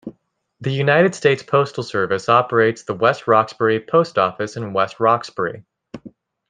The United States Postal Service operates the West Roxbury Post Office in West Roxbury.